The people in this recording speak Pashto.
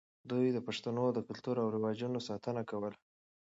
دوی د پښتنو د کلتور او رواجونو ساتنه کوله.